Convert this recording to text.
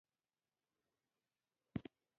پیاز د کیمیاوي درملو اړتیا کموي